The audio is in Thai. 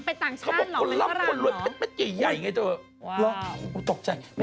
แล้วนั่งใส่เพ็ดแม็กใหญ่